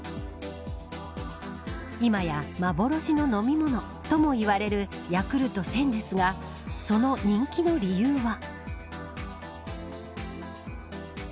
今や幻の飲み物ともいわれるヤクルト１０００ですがその人気の理由は。